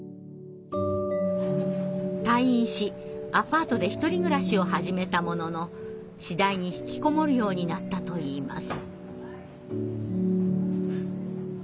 退院しアパートで１人暮らしを始めたものの次第に引きこもるようになったといいます。